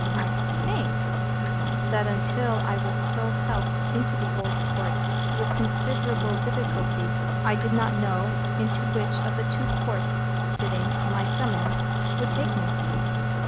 I think that, until I was so helped into the Old Court with considerable difficulty, I did not know into which of the two Courts sitting my summons would take me.